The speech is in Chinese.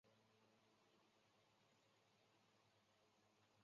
叉唇对叶兰为兰科对叶兰属下的一个种。